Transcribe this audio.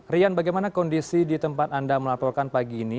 rian bagaimana kondisi di tempat anda melaporkan pagi ini